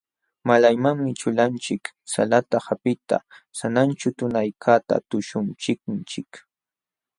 Malaymanmi ćhulanchik salata hapiqta sananćhu tunaykaqta tuśhuchinchik.